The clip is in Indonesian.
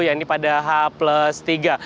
yang ini pada h plus tiga